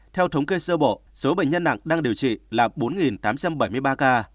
theo thống kê sơ bộ số bệnh nhân nặng đang điều trị là bốn tám trăm bảy mươi ba ca